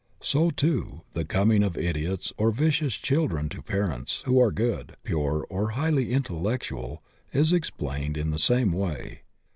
So, too, the coining of idiots or vicious children to parents who are good, pure, or highly intellectual is explained in the same way.